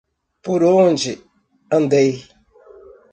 Por onde andei